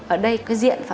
ở đây có diện phản phẩm